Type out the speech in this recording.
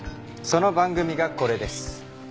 その番組がこれです。